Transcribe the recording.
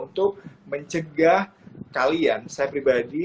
untuk mencegah kalian saya pribadi